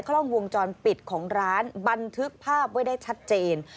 กล้องวงจรปิดของร้านบันทึกภาพไว้ได้ชัดเจน